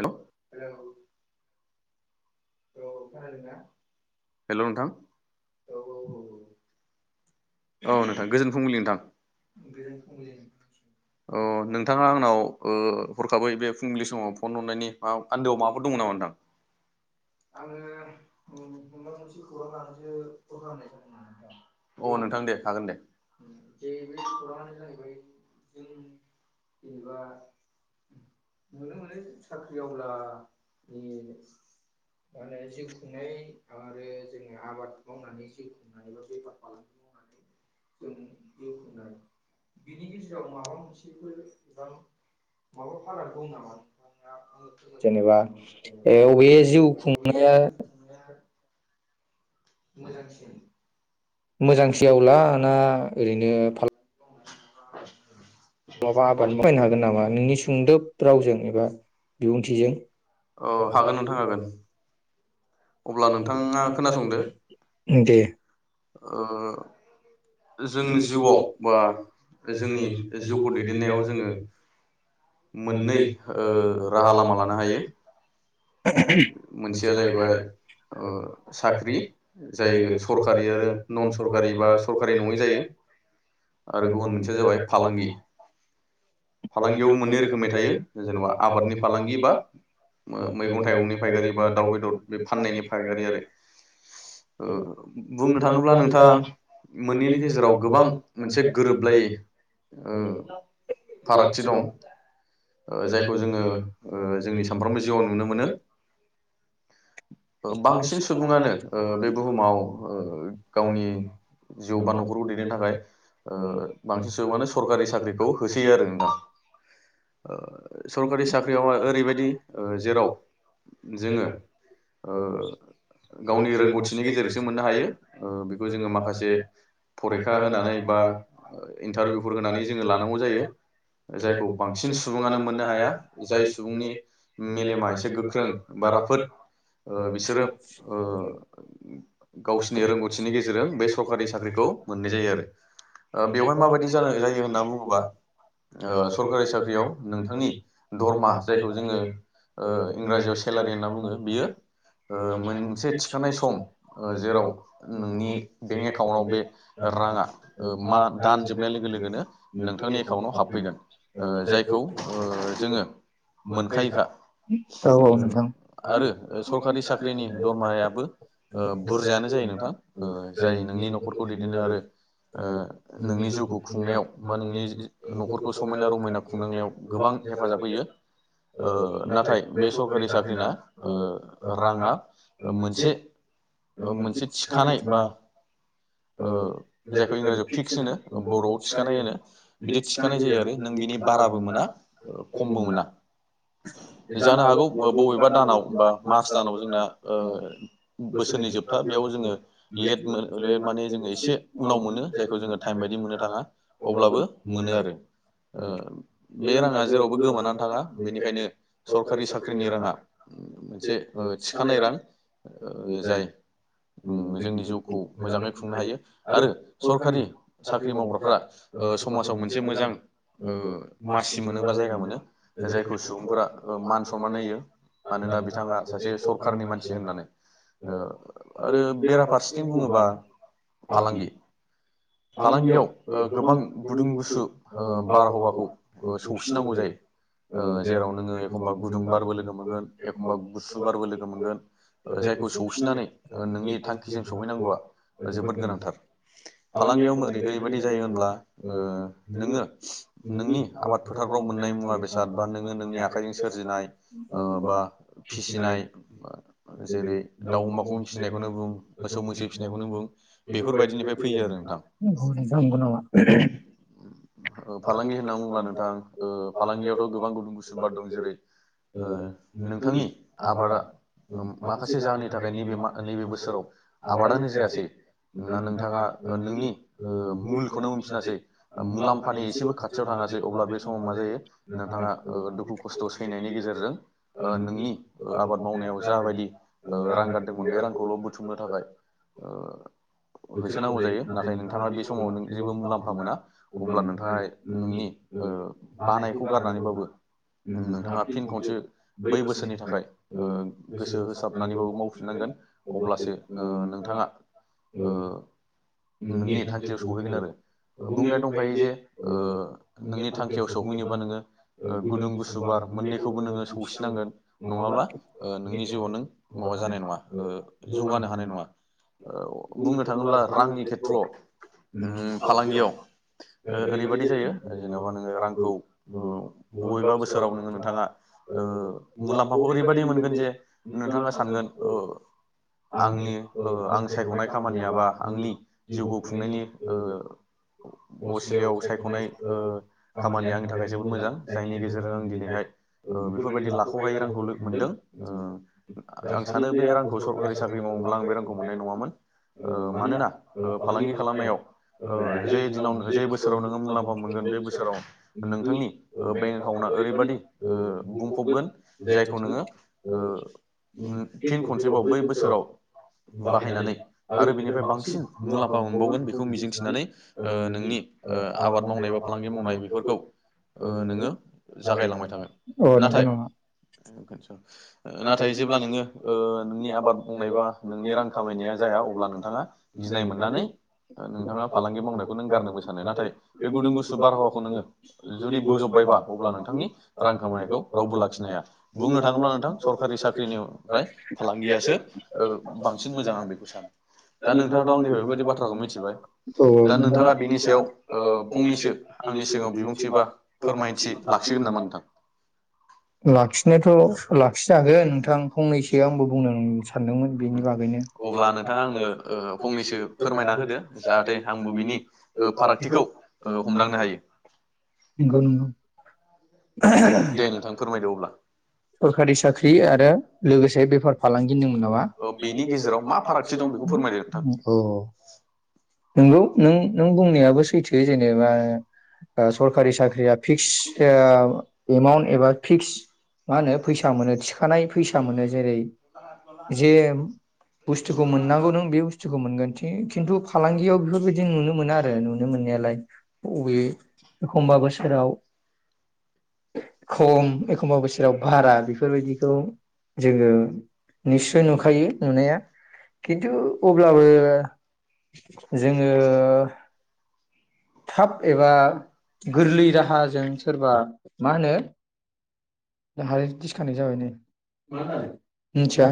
Hello hello नोंथां औ औ औ औ औ नोंथां गोजोन फुंबिलि नोंथां औ नोंथाङा आंनाव ओ हरखाबै बे फुंबिलि समाव फन हरनायनि माआन्दोआव माबाफोर दङ नामा नोंथां? दे हागोन दे जे बे खौराङानो जाहैबाय जों जेनेबा नुनो मोनो साख्रिआवब्ला नि माने होनो जिउ खुंनाय आरो जोङो आबाद मावनानै जिउ खुंनानैबा बेफार फालांगि जों बिनि गेजेराव माबा मोनसेफोर बा माबा फारा दं नामा जेनेबा ए नोंथांङा? अबे जिउ खुंनाया [unintelligible] मोजांसिन मोजांसे आवला ना ओरैनो फालां [unintelligible] माबा आबाद [unintelligible] हागोन नामा नोंनि सुंदोब रावजों एबा बिबुंथिजों? औ हागोन नोंथां ‌गिगो हागोन अब्ला नोंथाङा दे अओ जोंनि जिउआव बा जोंनि जिउखौ दैदेननायाव जोङो मोननै राहा लामा लानो हायो मोनसेया जाहैबाय ओ साख्रि जाय जायो सरकारि आरो नन सरकारि बा बोरै नङै जायो आरो गुबुन मोनसेया जाबाय फालांगि फालांगियावबो मोननै रोखोमनि थायो जेनेबा आबादनि फालांगि बा मैगं थाइगंनि फायखारि बा दाउ बेदर बे फाननायनि फायखारि आरो ओ बुंनो थाङोब्ला नोंथां मोननैनि गेजेराव गोबां मोनसे गोरोबलायै ओ फारागथि दं जायखौ जोङो ओ जोंनि सामफ्रोमबो जिउआव नुनो मोनो बांसिन सुबुङानो बे बुहुमाव गावनि जिउ बा नखरखौ दैदेननो थाखाय ओ बांसिन सुबुङा सरकारि साख्रिखौ हो ओ नोंथां सरखारि साख्रियाव ओरैबायदि जेराव जोङो ओ गावनि रोंगौथिनि गेजेरसो मोननो हायो बेखौ जोङो मा खायसे फरिखा होनानै बा इन्टारभिउफोर होनानै जोङो लानांगौ जायो जायखौ बांसिन सुबनो मोननो हाया जाय सुबुंनि मेलेमा एसे गोख्रों बा राफोद बिसोरो गावसोरनि रोंगौथिनि गेजेरजों बे सरकारि साख्रिखौ मोननाय जायो आरो बेवहाय माबायदि जानो जायो होनना बुङोबा ओ सरखारि साख्रियाव नोंथांनि दरमा जायखौ जोङो इंराजियाव सेलारि होनना बुङो बियो ओ मोनसे थिखानाय सम जेराव नोंनि बेंक एकाउन्टाव बे राङा मा दानजोबनाय लोगो लोगोनो नोंथांनि फैगोन जायखौ जोङो मोनखायोखा औ नोंथां आरो सरखारि साख्रिनि दरमाहायाबो बुरजायानो जायो नोंथां जाय नोंनि नखरखौ दैदेननो आरो ओ नोंनि जिउखौ खुंनायाव बा नोंनि न'खरखौ समायना रमायना खुंनांनायाव गोबां हेफाजाब होयो ओ नाथाय बे सरखारि साख्रिना ओ राङा मोनसे मोनसे थिखानाय बा ओ जायखौ इंराजियाव फिक्स होनो बर'आव थिखानाय होनो बिदि थिखानाय जायो आरो नों बिनि बाराबो मोना खमबो मोना जानो हागौ बबेबा दानाव बा मार्च दानाव जोंना ओ बोसोरनि जोबथा बेयाव जोङो लेट मोन माने जोङो एसे उनाव मोनो जायखौ जोङो टाइम बायदि मोननो थाङा अब्लाबो मोनो आरो बे राङा जेरावबो गोमानानै थाङा बेनिखायनो सरखारि साख्रिनि राङा मोनसे थिखानाय रां जाय जोंनि जिउखौ मोजाङै खुंनो हायो आरो सरखारि साख्रि मावग्राफ्रा समाजाव मोनसे मोजां ओ मासि मोनो बा जायगा मोनो जायखौ सुबुंफोरा मान सनमान होयो मानोना बिथाङा सासे सरखारनि मानसि होननानै आरो बेराफारसेथिं बुङोबा फालांगि फालांगियाव गोबां गुदुं गुसु बारहावाखौ सौसिनांगौ जायो जेराव नोङो एखमबा गुदुं बारबो लोगो मोनगोन एखमबा गुसु बारबो लोगो मोनगोन जायखौ सौसिनानै नोंनि थांखिजों सौहैनांगौआ जोबोद गोनांथार फालांगियाव ओरैबायदि जायो होनब्ला ओ नोङो नोंनि आबाद फोथारफ्राव मोननाय मुवा बेसाद बा नोङो नोंनि आखाइजों सोरजिनाय ओ बा फिसिनाय जेरै दाउ अमाखौ फिसिनायखौनो बुं मोसौ मैसो फिसिनायखौनो बुं बेफोरबायदिनिफ्राय फैयो आरोगौ [unintelligible] नामा [inaudible] फालांगि होनना बुङोब्ला नोंथां ओ फालांगियावथ' गोबां गुदुं गुसुं बार दं जेरै ओ नोंथांनि आबादा माखासे जाहोननि थाखाय नैबे नैबे बोसोराव आबादानो जायासै ना नोंथाङा नोंनि मुलखौनो मोनफिनासै मुलाम फानि एसेबो खाथियाव थाङासै अब्ला बे समाव मा जायो नोंथाङा ओ दुखु खस्थ' सैनायनि गेजेरजों ओ नोंनि आबाद मावनायाव जाबायदि ओ रां गारदोंमोन बे रांखौल' बुथुमनो थाखाय होसोनांगौ जायो नाथाय नोंथाङा बे समाव नों जेबो मुलाम्फा मोना अब्ला नों बानायखौ गारनानैबाबो नोंथाङा फिन खनसे बै बोसोरनि थाखाय ओ गोसो होसाबनानैबाबो मावफिननांगोन अब्लासो ओ नोंथाङा [unintelligible] ओ नोंनि थांखियाव सहैगोन आरो बुंनाय दंखायो जे [unintelligible] नोंनि थांखियाव सौहैनोबा नोङो गुदुं गुसुबार मोननैखौबो नोङो सौसिनांगोन नङाब्ला नोंनि जिउआव नों माबा जानाय नङा जौगानो हानाय नङा बुंनो थाङोब्ला रांनि खेथ्रआव ओ फालांगियाव ओरैबाददि जायो जेन'बा नोङो रांखौ बबेबा बोसोराव नोङो नोंथाङा मुलाम्फाखौ ओरैबदि मोनगोन जे नोंथाङा सानगोन आंनि आं सायख'नाय खामानिया बा आंनि जिउखौ खुंनायनि असिलायाव सायख'नाय ओ खामानिया आंनि थाखाय जोबोद मोजां जायनि गेजेरजों आं दिनैहाय बेफोरबायदि लाख'हायै रांखौ मोनदों आं सानो बे रांखौ सरकारि साख्रि मावोब्ला आं बे रांखौ मोननाय नङामोन ओ मानोना ओ फालांगि खालामनायाव जे दिनाव जे बोसोराव नोङो मुलाम्फा मोनगोन बे बोसोराव नोंथांनि बेंक ओ एकाउन्टआ ओरैबाददि ओ बुंफबगोन जायखौ नोङो ओ फिन खनसेबाव बै बोसोराव बाहायनानै आरो बेनिफ्राय बांसिन मुलाम्फा मोनबावगोन बेखौ मिजिंथिनानै ओ नोंनि ओ आबाद मावनाय बा फालांगि मावनाय बेफोरखौ ओ नोङो जागायलांबाय थागोन औ नंगौ नाथाय नामा नाथाय जेब्ला नोङो ओ नोंनि आबाद मावनाय बा नोंनि रां खामायनाया जाया अब्ला नोंथाङा गिनाय मोननानै नोंथाङा फालांगि मावनायखौ नों गारनोबो सानो नाथाय बे गुदुं गुसु बारहावाखौ नोङो जुदि बोजबबायबा अब्ला नोंथांनि रां खामानिखौ रावबो लाखिनो हाया बुंनो थाङोब्ला नोंथां सरकारि साख्रिनिफ्राय फालांगियासो ओ बांसिन मोजां आं बे दा नोंथाङाथ' आंनिफ्राय बेबायदि बाथ्राखौ मिथिबाय दा नोंथाङा बिनि सायाव ओ फंनैसो आंनि सिगाङाव बिबुंथि बा फोरमायथि लाखिगोन नामा नोंथां फि जागोन नोंथां फंनैसो आंबो बुंनो सानदोंमोन बेनि बागैनो अब्ला नोंथाङा ओ आंनो फंनैसो फोरमायना होदो जाहाथे आंबो बिनि ओ फारागथिखौ ओ हमदांनो नंगौ हायो नंगौ दे नोंथां फोरमायदो अब्ला। सरखारि साख्रि आरो लोगोसे बेफार फालांगि नदों नामा ओ बेनि गेजेराव मा फारागथि दं बेखौ फोरमायदो नोंथां। औ नोंगौ नों- नों बुंनायाबो सैथो जेनेबा सरखारि साख्रिया फिक्स एमाउन एबा फिक्स मा होनो फैसा मोनो थिखानाय फैसा मोनो जेरै जे बुस्थुखौ मोननांगौ नों बे बुस्थुखौ मोगोन खि- खिन्थु फालांगियाव बेफोरबायदि नुनो मोनो आरो नुनो मोननायालाय बबे एखमबा बोसोराव खम एखमबा बोसोराव भारा बेफोरबायदिखौ जोङो निस्सय नुखायो नुनाया खिन्थु अब्लाबो जोङो थाब एबा गोरलै राहाजों सोरबा मा होनो हाल थिसखानाय जाबाय नै मिथिया